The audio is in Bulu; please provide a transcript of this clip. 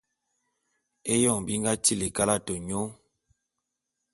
Éyoñ bi nga tili kalate nyô.